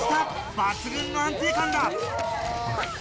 抜群の安定感だ。